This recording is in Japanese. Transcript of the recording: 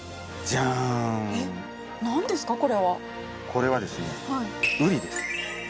これはですねウリです。